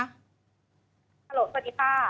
สวัสดีค่ะ